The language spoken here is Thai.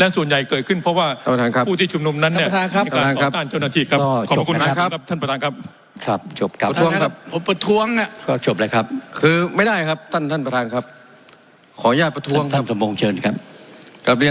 และส่วนใหญ่เกิดขึ้นเพราะว่าท่านประธานครับผู้ที่ชุมนมนั้นเนี้ย